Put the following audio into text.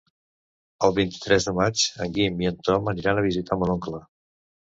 El vint-i-tres de maig en Guim i en Tom aniran a visitar mon oncle.